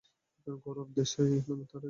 গৌরব দেশাই নামে তার এক ভাই রয়েছে।